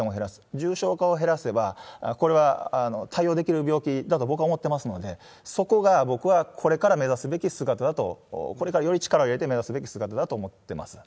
重症化を減らせば、これは対応できる病気だと、僕は思ってますので、そこが僕はこれから目指すべき姿だと、これからより力を入れて目指すべき姿だと思ってます。